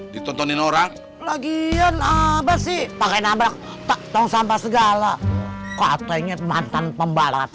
ditontonin orang lagian apa sih pakai nabrak tong sampah segala katanya mantan pembalap